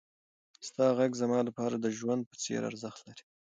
ستا غږ زما لپاره د ژوند په څېر ارزښت لري.